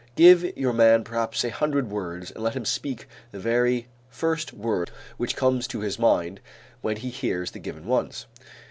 Give your man perhaps a hundred words and let him speak the very first word which comes to his mind when he hears the given ones.